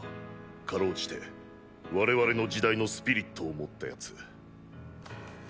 かろうじて我々の時代のスピリットを持った奴。